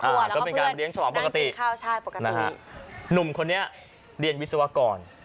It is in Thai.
แล้วก็เป็นการเรียนฉลองปกตินั่งกินข้าวชาติปกตินะฮะหนุ่มคนนี้เรียนวิศวกร